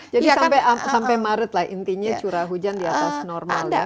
jadi sampai maret lah intinya curah hujan di atas normal ya